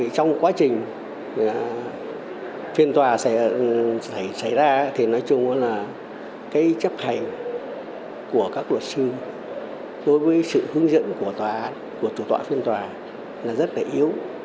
trong quá trình phiên tòa xảy ra chấp hành của các luật sư đối với sự hướng dẫn của tòa án của chủ tọa phiên tòa là rất yếu